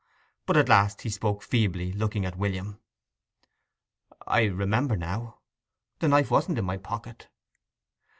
But at last he spoke feebly, looking at William. "I remember now—the knife wasn't in my pocket."